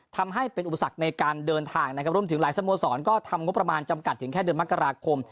ทำให้เป็นอุปสรรคในการเดินทางนะครับรวมถึงหลายสโมสรก็ทำงบประมาณจำกัดถึงแค่เดือนมกราคม